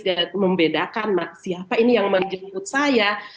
dan membedakan siapa ini yang menjemput saya